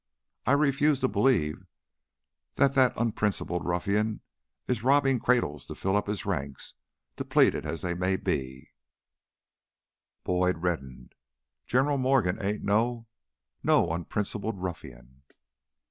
"I refuse to believe that even that unprincipled ruffian is robbing cradles to fill up his ranks, depleted as they may be " Boyd reddened. "General Morgan ain't no ... no unprincipled ruffian!"